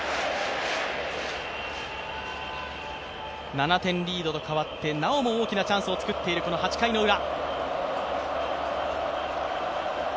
７点リードと変わってなおも大きなチャンスを作っているこの８回のウラ。